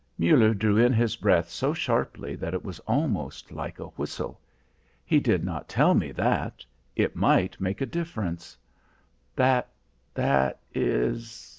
Muller drew in his breath so sharply that it was almost like a whistle. "He did not tell me that; it might make a difference." "That... that is...